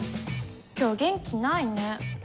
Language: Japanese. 今日元気ないね。